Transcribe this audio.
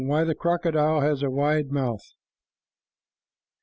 WHY THE CROCODILE HAS A WIDE MOUTH.